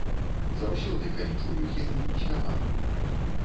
Заўсёды, калі чую гімн, спяваю.